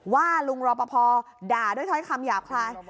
ว่าลุงรอปภด่าด้วยถ้อยคำหยาบคลาย